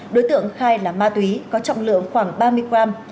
đối tượng khai là ma túy có trọng lượng khoảng ba mươi gram